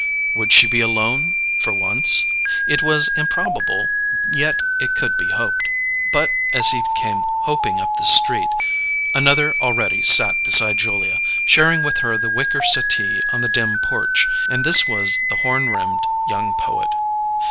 Would she be alone for once? It was improbable, yet it could be hoped. But as he came hoping up the street, another already sat beside Julia, sharing with her the wicker settee on the dim porch, and this was the horn rimmed young poet.